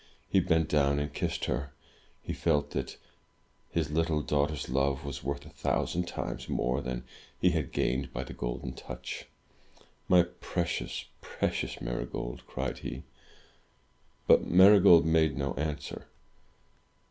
He bent down and kissed her. He felt that his little daughter's love was worth a thousand times more than he had gained by the Golden Touch. "My precious, precious Marygold!" cried he. But Marygold made no answer.